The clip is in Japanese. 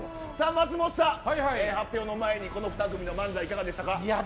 松本さん、発表の前にこの２組の漫才どうでしたか。